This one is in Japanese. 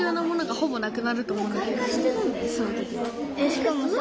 しかもさ。